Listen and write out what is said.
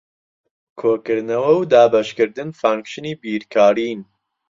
کۆکردنەوە و دابەشکردن فانکشنی بیرکارین.